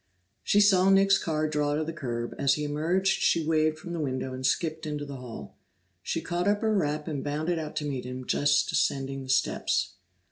She saw Nick's car draw to the curb; as he emerged she waved from the window and skipped into the hall. She caught up her wrap and bounded out to meet him just ascending the steps.